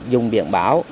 dùng biện báo